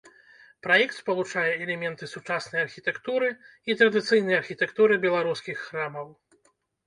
Праект спалучае элементы сучаснай архітэктуры і традыцыйнай архітэктуры беларускіх храмаў.